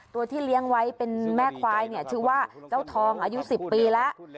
ตัวที่เลี้ยงไว้เป็นแม่ควายเนี่ยชื่อว่าเจ้าทองอายุ๑๐ปีแล้ว